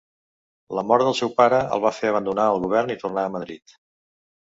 La mort del seu pare el va fer abandonar el govern i tornar a Madrid.